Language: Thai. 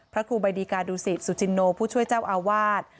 พระครูบาดีกาดูสิตสุจินโนผู้ช่วยเจ้าอาวาส